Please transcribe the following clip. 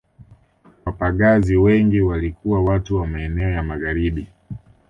Wapagazi wengi walikuwa watu wa maeneo ya Magharibi